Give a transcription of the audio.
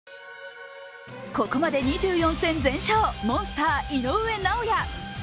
ここまで２４戦全勝、モンスター・井上尚弥。